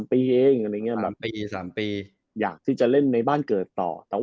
ใช่๓ปีเองอยากที่จะเล่นในบ้านเกิดต่อ